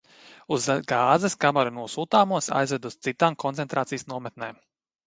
Uz gāzes kameru nosūtāmos aizveda uz citām koncentrācijas nometnēm.